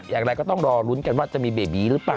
อย่างไรก็ต้องรอลุ้นกันว่าจะมีเบบีหรือเปล่า